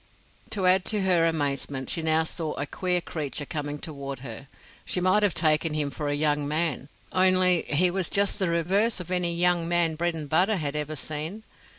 To add to her amazement she now saw a queer creature coming toward her. She might have taken him for a young man, only ho was just the reverse of any young man Bredenbutta had ever seen.